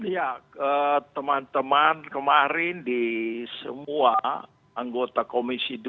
ya teman teman kemarin di semua anggota komisi dua